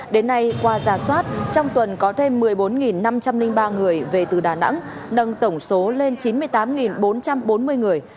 đến nay qua giả soát trong tuần có thêm một mươi bốn năm trăm linh ba người về từ đà nẵng nâng tổng số lên chín mươi tám bốn trăm bốn mươi người